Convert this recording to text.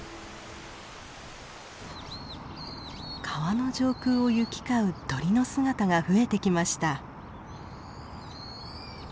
川の上空を行き交う鳥の姿が増えてきました。